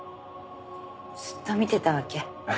ずっと見てたわけ？